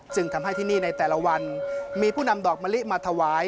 จึงทำให้ที่นี่ในแต่ละวันมีผู้นำดอกมะลิมาถวาย